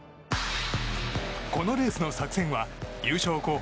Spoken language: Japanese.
このレースの作戦は優勝候補